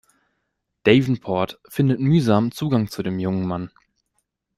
Davenport findet mühsam Zugang zu dem jungen Mann.